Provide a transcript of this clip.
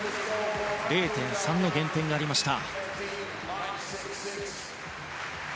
０．３の減点がありました。